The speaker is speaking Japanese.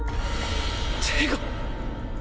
手が。